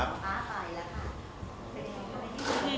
อุ้ยอะไรอย่างนี้เนอะ